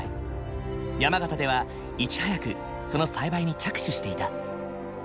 山形ではいち早くその栽培に着手していた。